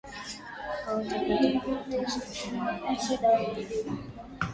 Watakuwa tayari kutoa ushirikiano wao katika mapambano haya